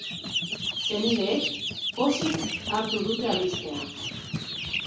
Senideek pozik hartu dute albistea.